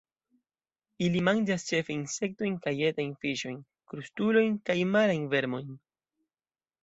Ili manĝas ĉefe insektojn kaj etajn fiŝojn, krustulojn kaj marajn vermojn.